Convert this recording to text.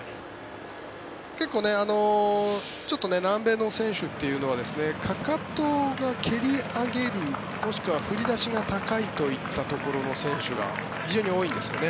結構、南米の選手というのはかかとが蹴り上げるもしくは振り出しが高いといった選手が非常に多いんですよね。